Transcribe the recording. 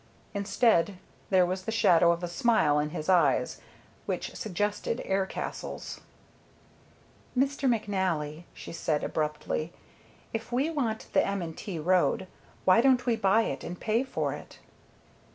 Instead there was the shadow of a smile in his eyes which suggested air castles. "Mr. McNally," she said abruptly, "if we want the M. & T. road, why don't we buy it and pay for it?"